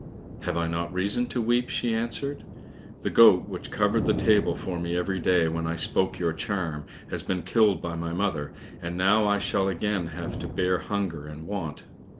"Have I not reason to weep?" she answered. "The goat which covered the table for me every day when I spoke your charm, has been killed by my mother, and now I shall again have to bear hunger and want."